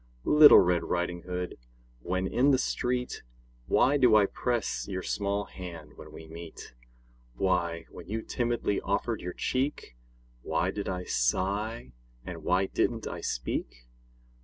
Little Red Riding Hood, when in the street, Why do I press your small hand when we meet? Why, when you timidly offered your cheek, Why did I sigh, and why didn't I speak?